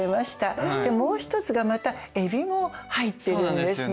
でもう一つがまたエビも入っているんですね。